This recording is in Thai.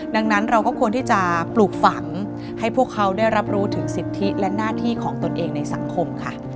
ดังนั้นเราก็ควรที่จะปลูกฝังให้พวกเขาได้รับรู้ถึงสิทธิและหน้าที่ของตนเองในสังคมค่ะ